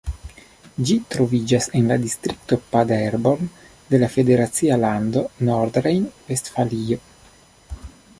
Ĝi troviĝas en la distrikto Paderborn de la federacia lando Nordrejn-Vestfalio.